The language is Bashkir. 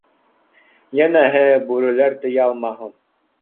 Йәнәһе, бүреләр тейә алмаһын!